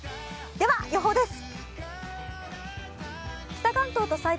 では予報です。